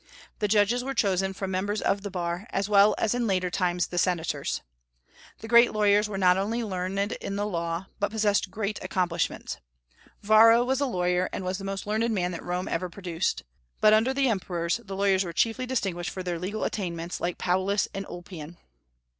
The judges were chosen from members of the bar, as well as in later times the senators. The great lawyers were not only learned in the law, but possessed great accomplishments. Varro was a lawyer, and was the most learned man that Rome ever produced. But under the emperors the lawyers were chiefly distinguished for their legal attainments, like Paulus and Ulpian.